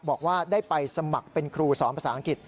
บอกว่าได้ไปสมัครเป็นครูสอนภาษาอังกฤษ